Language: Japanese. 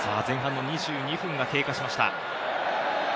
前半の２２分が経過しました。